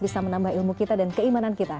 bisa menambah ilmu kita dan keimanan kita